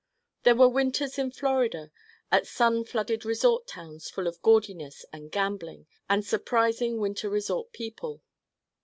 There were winters in Florida at sun flooded resort towns full of gaudiness and gambling and surprising winter resort people.